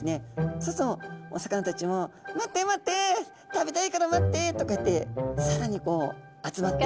そうするとお魚たちも「待って待って食べたいから待って」ってこうやってさらに集まって。